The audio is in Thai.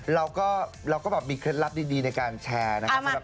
เราก็แบบมีเคล็ดลับดีในการแชร์นะครับ